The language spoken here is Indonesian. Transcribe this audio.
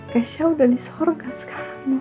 keisha udah di sorga sekarang